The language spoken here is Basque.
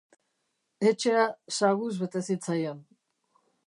Etxea saguz bete zitzaion.